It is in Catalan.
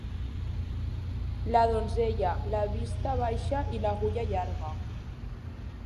La donzella, la vista baixa i l'agulla llarga.